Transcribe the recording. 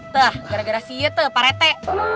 tah gara gara siya teh pak rete